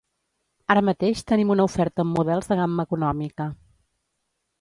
Ara mateix tenim una oferta amb models de gamma econòmica.